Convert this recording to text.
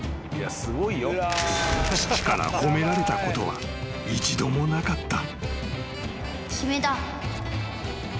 ［父から褒められたことは一度もなかった］